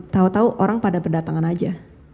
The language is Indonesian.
tahu tahu orang pada berdatangan aja